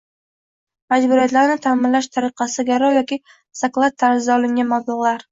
Majburiyatlarni ta’minlash tariqasida garov yoki zakalat tarzida olingan mablag‘lar